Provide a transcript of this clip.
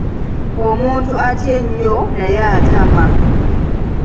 Omuntu atya ennyo naye atama.